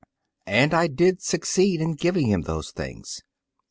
And I did succeed in giving him those things.